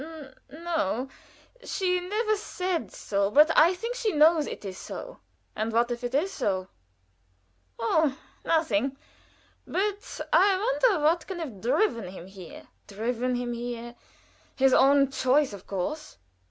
"N no; she never said so; but I think she knows it is so." "And what if it be so?" "Oh, nothing! But I wonder what can have driven him here." "Driven him here? His own choice, of course."